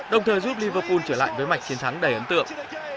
đồng thời giúp liverpool trở lại với mạch chiến thắng đầy ấn tượng